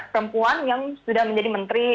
perempuan yang sudah menjadi menteri